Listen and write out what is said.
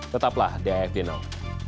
tetaplah di afd now